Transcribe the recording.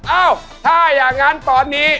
เอ้าถ้าอย่างนั้นตอนนี้